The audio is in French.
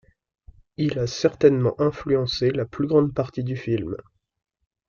Il a certainement influencé la plus grande partie du film.